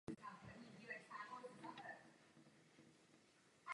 Její prodloužení je možné smlouvou mezi stranami.